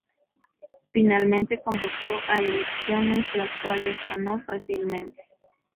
Finalmente convocó a elecciones, las cuales ganó fácilmente.